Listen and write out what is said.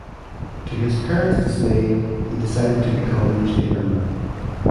To his parents' dismay, he decided to become a newspaperman.